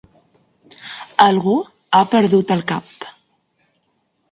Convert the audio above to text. Algú ha perdut el cap.